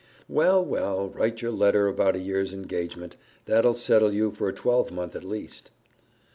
"Well, well, write your letter about a year's engagement. That'll settle you for a twelvemonth, at least."